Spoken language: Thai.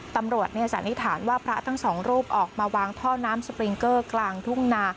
สันนิษฐานว่าพระทั้งสองรูปออกมาวางท่อน้ำสปริงเกอร์กลางทุ่งนา